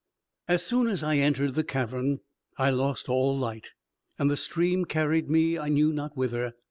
As soon as I entered the cavern I lost all light, and the stream carried me I knew not whither.